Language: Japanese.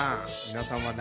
皆さん。